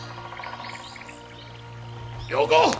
良子！